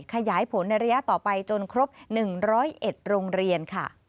ขยายผลในระยะต่อไปจนครบ๑๐๑โรงเรียนค่ะ